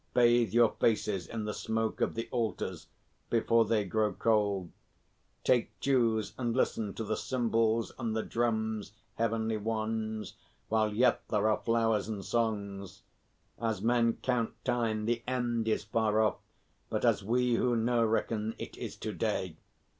Bathe your faces in the smoke of the altars before they grow cold! Take dues and listen to the cymbals and the drums, Heavenly Ones, while yet there are flowers and songs. As men count time the end is far off; but as we who know reckon it is to day.